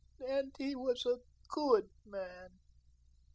And he was a GOOD man.